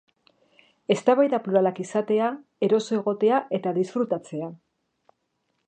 Eztabaida pluralak izatea, eroso egotea eta disfrutatzea.